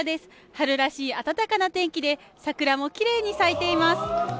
春らしい暖かな天気で桜もきれいに咲いています。